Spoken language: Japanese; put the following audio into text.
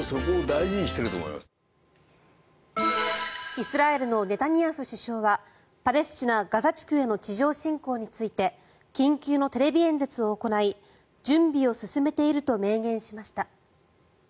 イスラエルのネタニヤフ首相はパレスチナ・ガザ地区への地上侵攻について緊急のテレビ演説を行い準備を進めていると明言しました。